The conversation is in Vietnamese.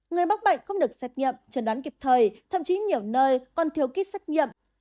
người mắc bệnh không được xét nghiệm trần đoán kịp thời thậm chí nhiều nơi còn thiếu kit xét nghiệm